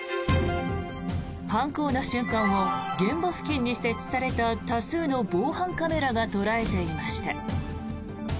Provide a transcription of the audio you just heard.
犯行の瞬間を現場付近に設置された多数の防犯カメラが捉えていました。